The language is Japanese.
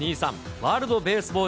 ワールドベースボール